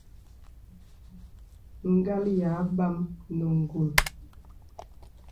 Ngàl yā àbam nə ngùl.